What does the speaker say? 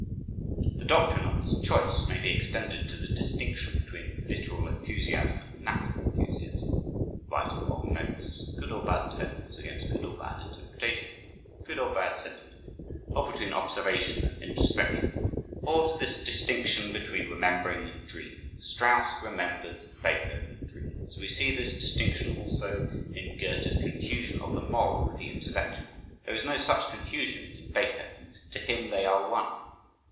The doctrine of this "choice" may be extended to the distinction between literal enthusiasm and natural enthusiasm (right or wrong notes, good or bad tones against good or bad interpretation, good or bad sentiment) or between observation and introspection, or to the distinction between remembering and dreaming. Strauss remembers, Beethoven dreams. We see this distinction also in Goethe's confusion of the moral with the intellectual. There is no such confusion in Beethoven to him they are one.